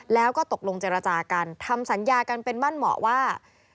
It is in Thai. แล้วก็ตกลงเจรจากันทำสัญญากันเป็นมั่นเหมาะว่า